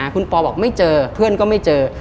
คุณปอบอกไม่เจอเพื่อนก็ไม่เจอ